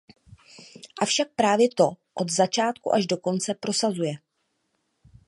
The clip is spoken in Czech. Avšak právě to od začátku až do konce prosazuje.